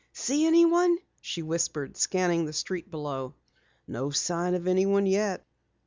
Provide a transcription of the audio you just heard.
"See anyone?" she whispered, scanning the street below. "No sign of anyone yet."